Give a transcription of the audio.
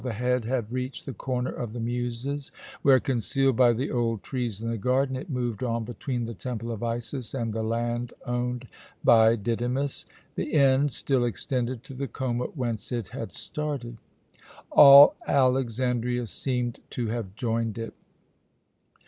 The head had reached the Corner of the Muses, where, concealed by the old trees in the garden, it moved on between the Temple of Isis and the land owned by Didymus. The end still extended to the Choma, whence it had started. All Alexandria seemed to have joined it.